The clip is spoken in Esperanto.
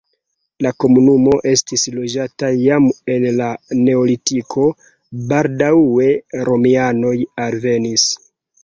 La komunumo estis loĝata jam en la neolitiko, baldaŭe romianoj alvenis.